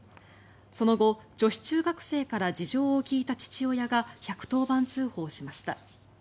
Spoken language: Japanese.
その後、女子中学生から事情をきいた父親が１１０番通報しました。